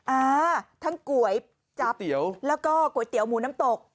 อ่าทั้งก๋วยจับแล้วก็ก๋วยเตี๋ยวหมูน้ำตก